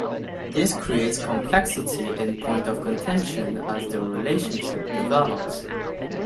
This creates complexity and point of contention as their relationship develops.